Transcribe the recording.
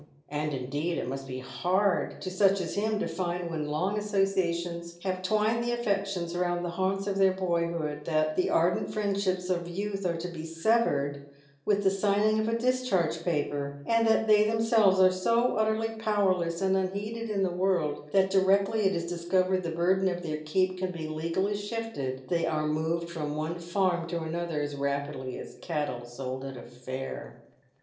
And, indeed, it must be hard to such as him to find, when long asso ciations have twined the affections round the haunts of their boyhood, that the ardent friendships of youth are to be severed with the sign ing of a discharge paper; and that they themselves are so utterly powerless and unheeded in the world, that directly it is discovered the burden of their keep can be legally shifted, they are moved from one " farm" to another as rapidly as cattle sold at a fair.